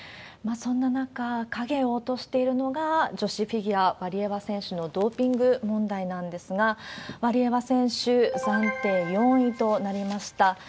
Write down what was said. そんな中、影を落としているのが女子フィギュア、ワリエワ選手のドーピング問題なんですが、ワリエワ選手、暫定４位となりました。